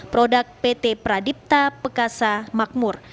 produk pt pradipta pekasa makmur